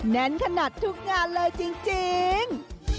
แน่นขนาดทุกงานเลยจริง